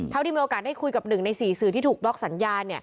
ที่มีโอกาสได้คุยกับ๑ใน๔สื่อที่ถูกบล็อกสัญญา